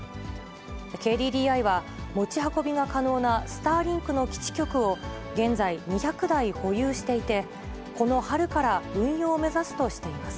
ＫＤＤＩは、持ち運びが可能なスターリンクの基地局を、現在２００台保有していて、この春から、運用を目指すとしています。